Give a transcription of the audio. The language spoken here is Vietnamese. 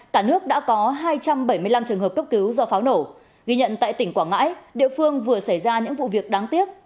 cả nước đã có hai trăm bảy mươi năm trường hợp cấp cứu do pháo nổ ghi nhận tại tỉnh quảng ngãi địa phương vừa xảy ra những vụ việc đáng tiếc